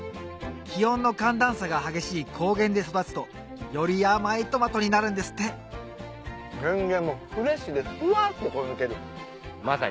気温の寒暖差が激しい高原で育つとより甘いトマトになるんですって全然もうフレッシュですふわってこう抜ける。